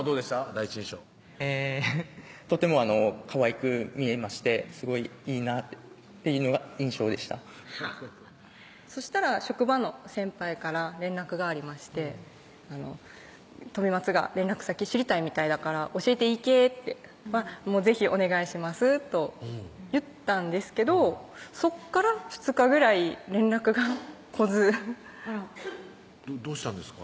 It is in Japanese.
第一印象とてもかわいく見えましてすごいいいなっていうのが印象でしたそしたら職場の先輩から連絡がありまして「飛松が連絡先知りたいみたいだから教えていいけ？」って「是非お願いします」と言ったんですけどそこから２日ぐらい連絡が来ずあらどうしたんですか？